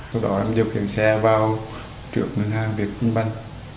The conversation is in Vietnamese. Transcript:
sau đó em điều khiển xe vào trước ngân hàng việt tinh văn